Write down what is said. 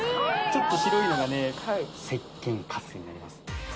ちょっと白いのが石鹸カスになります